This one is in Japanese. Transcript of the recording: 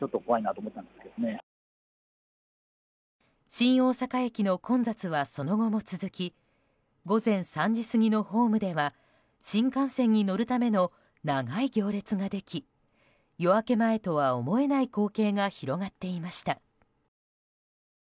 新大阪駅の混雑はその後も続き午前３時過ぎのホームでは新幹線に乗るための長い行列ができ夜明け前とは思えない光景が広がっていました。